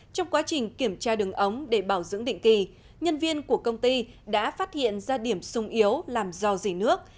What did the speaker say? trong quá trình kiểm tra đường ống để bảo dưỡng định kỳ nhân viên của công ty đã phát hiện ra điểm sung yếu làm do dỉ nước